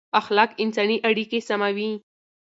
اخلاق انساني اړیکې سموي